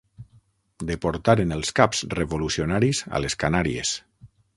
Deportaren els caps revolucionaris a les Canàries.